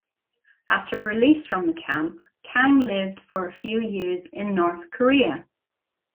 After release from the camp, Kang lived for a few years in North Korea.